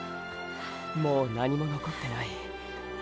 もう何も残ってない。